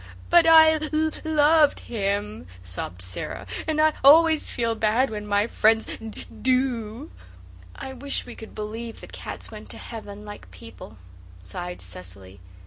"But I l l oved him," sobbed Sara, "and I always feel bad when my friends d do." "I wish we could believe that cats went to heaven, like people," sighed Cecily.